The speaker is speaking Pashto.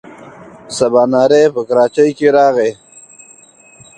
سباناری په کراچۍ کې راغی.